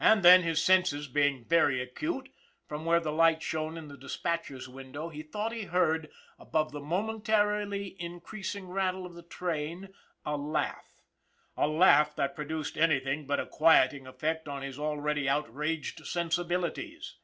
And then, his senses being very acute, from where the light shone in the dispatcher's window he thought he heard, above the momentarily increasing rattle of the train, a laugh a laugh that produced anything but a quieting effect on his already outraged sensibilities.